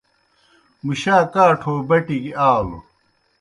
مُشا کاٹھو بٹیْ گیْ آلوْ۔